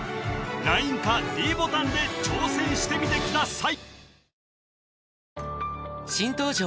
ＬＩＮＥかｄボタンで挑戦してみてください